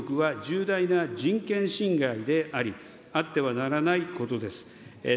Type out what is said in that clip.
性犯罪、性暴力は重大な人権侵害であり、あってはならないことです。